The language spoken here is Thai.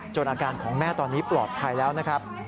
อาการของแม่ตอนนี้ปลอดภัยแล้วนะครับ